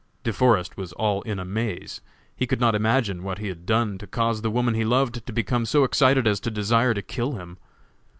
De Forest was all in a maze. He could not imagine what he had done to cause the woman he loved to become so excited as to desire to kill him.